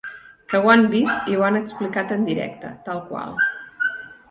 Que ho han vist i ho han explicat en directe, tal qual.